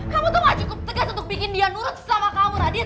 kamu tuh gak cukup tegas untuk bikin dia nurut sama kamu nadia